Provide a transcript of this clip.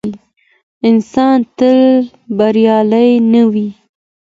انسان تل بریالی نه وي.